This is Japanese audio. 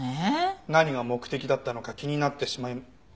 何が目的だったのか気になってしまい。